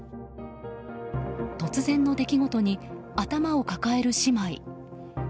突然の出来事に、頭を抱える姉妹。